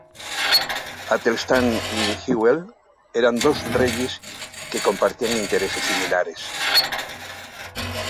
Athelstan y Hywel eran dos reyes que compartían intereses similares.